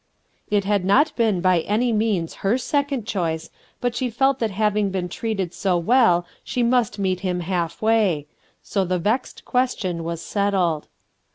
It had not been by any means her second choice, but she felt that having been treated bo well she must meet him halfway; so the vexed question was settled.